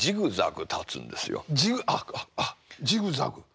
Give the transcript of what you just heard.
ジグあっジグザグ。